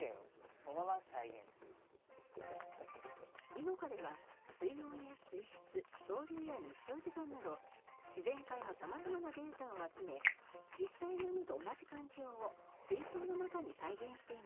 イノカでは水温や水質潮流や日照時間など自然界の様々なデータを集め実際の海と同じ環境を水槽の中に再現しています。